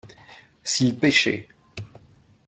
S’ils pêchaient.